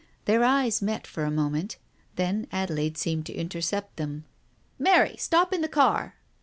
Their eyes met for a moment. Then Adelaide seemed to intercept them. "Mary, stop in the car!